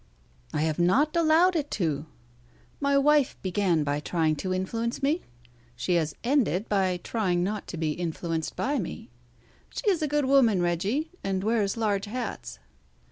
"I have not allowed it to. My wife began by trying to influence me, she has ended by trying not to be influenced by me. She is a good woman, Reggie, and wears large hats.